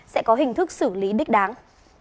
sẽ có hình thức xử lý đích đáng